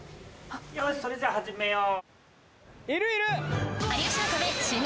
よしそれじゃ始めよう。